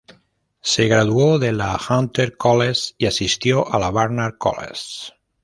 Se graduó de la Hunter College y asistió a la Barnard College.